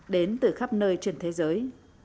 đến từ khắp nơi trên thế giới